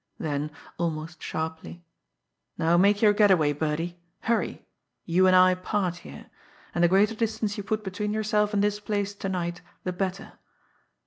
Then, almost sharply: "Now make your get away, Birdie. Hurry! You and I part here. And the greater distance you put between yourself and this place to night the better."